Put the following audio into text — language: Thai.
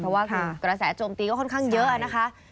เพราะว่าคือกระแสโจมตีก็ค่อนข้างเยอะนะคะ